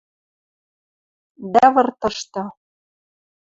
Дӓ выртышты